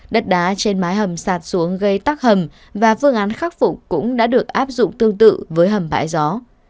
đất đá trên mái hầm sạt xuống gây tắc hầm và phương án khắc phục cũng đã được áp dụng tương tự với hầm bãi gió